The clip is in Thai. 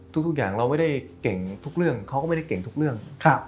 ทุกอย่างเราไม่ได้เก่งทุกเรื่องเขาก็ไม่ได้เก่งทุกเรื่อง